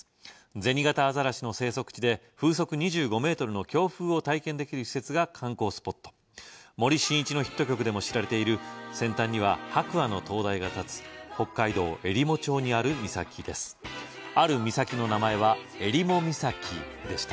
ゼニガタアザラシの生息地で風速２５メートルの強風を体験できる施設が観光スポット森進一のヒット曲でも知られている先端には白亜の灯台が建つ北海道えりも町にある岬ですある岬の名前は襟裳岬でした